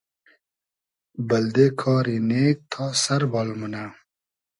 بئلدې کاری نېگ تا سئر بال مونۂ